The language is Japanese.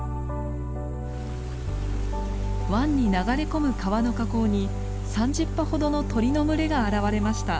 湾に流れ込む川の河口に３０羽ほどの鳥の群れが現れました。